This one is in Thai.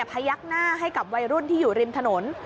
พยักหน้าให้กับวัยรุ่นที่อยู่ริมถนน